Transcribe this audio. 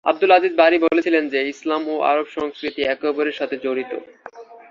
আবদুল আজিজ বারী বলেছিলেন যে ইসলাম ও আরব সংস্কৃতি একে অপরের সাথে জড়িত।